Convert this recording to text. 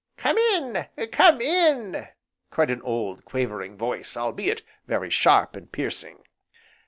"Come in! come in!" cried an old, quavering voice, albeit, very sharp, and piercing.